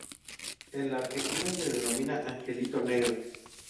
En la Argentina se denomina angelito negro.